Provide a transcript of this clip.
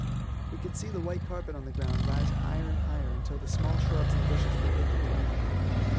We could see the white carpet on the ground rise higher and higher until the small shrubs and bushes were hidden beneath it.